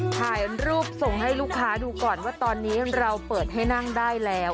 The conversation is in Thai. ถ่ายรูปส่งให้ลูกค้าดูก่อนว่าตอนนี้เราเปิดให้นั่งได้แล้ว